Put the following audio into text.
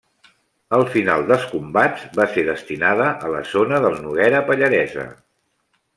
Al final dels combats va ser destinada a la zona del Noguera Pallaresa.